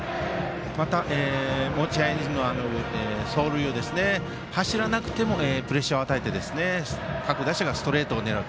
また、持ち味である走塁を、走らなくてもプレッシャーを与えて各打者がストレートを狙う。